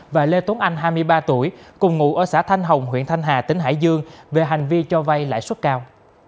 và lê tuấn anh hai mươi ba tuổi cùng ngụ ở xã thanh hồng huyện thanh hà tỉnh hải dương về hành vi cho vay lãi suất cao